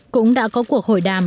cũng đã có cuộc hội đàm